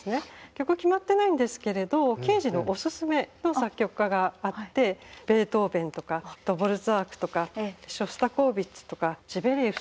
曲決まってないんですけれどケージのおすすめの作曲家があってベートーベンとかドボルザークとかショスタコーヴィッチとかシベリウス。